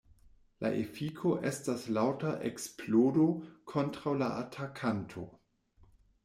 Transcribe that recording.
La efiko estas laŭta eksplodo kontraŭ la atakanto.